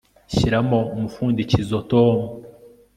shyiramo umupfundikizo, tom